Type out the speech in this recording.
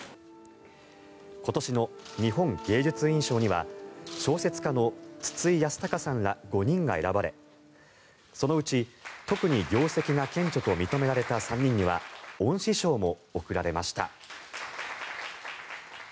今年の日本芸術院賞には小説家の筒井康隆さんら５人が選ばれそのうち、特に業績が顕著と認められた３人には恩賜賞も贈られました。